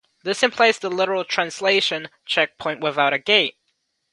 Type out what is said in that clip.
This implies the literal translation "checkpoint without a gate".